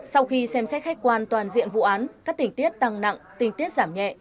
sau khi xem xét khách quan toàn diện vụ án các tình tiết tăng nặng tình tiết giảm nhẹ